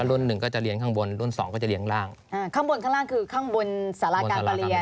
รุ่นหนึ่งก็จะเลี้ยข้างบนรุ่นสองก็จะเลี้ยร่างอ่าข้างบนข้างล่างคือข้างบนสาราการประเรียน